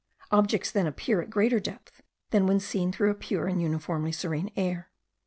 Objects then appear at a greater depth than when seen through a pure and uniformly serene air.